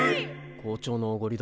校長のおごりだ。